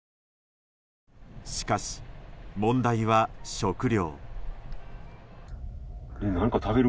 しかし問題は、食料。